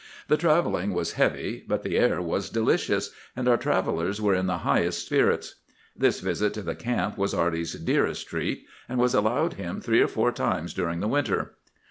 The travelling was heavy, but the air was delicious, and our travellers were in the highest spirits. This visit to the camp was Arty's dearest treat, and was allowed him three or four times during the winter.